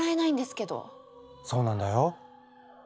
そうなんだよ。